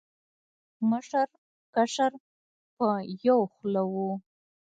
مشر، کشر په یو خوله و